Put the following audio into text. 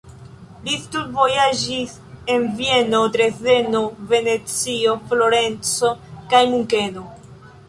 Li studvojaĝis en Vieno, Dresdeno, Venecio, Florenco kaj Munkeno.